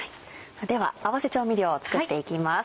では合わせ調味料を作っていきます。